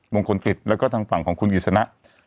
มงคลกิจแล้วก็ทางฝั่งของคุณกิจสนะ